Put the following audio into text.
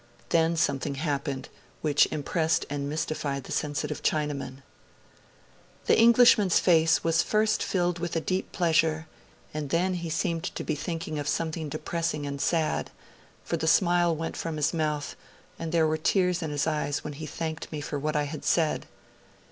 Then something happened which impressed and mystified the sensitive Chinaman. 'The Englishman's face was first filled with a deep pleasure, and then he seemed to be thinking of something depressing and sad; for the smile went from his mouth and there were tears in his eyes when he thanked me for what I had said.